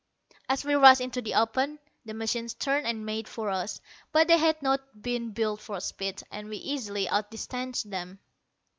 As we rushed into the open, the machines turned and made for us; but they had not been built for speed, and we easily outdistanced them.